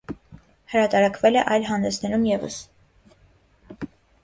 Հրատարակվել է այլ հանդեսներում ևս։